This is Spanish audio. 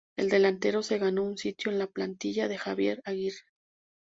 El delantero se ganó un sitio en la plantilla de Javier Aguirre.